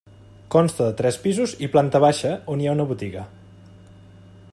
Consta de tres pisos i planta baixa, on hi ha una botiga.